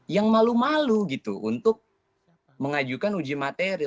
yang malu malu gitu untuk mengajukan uji materi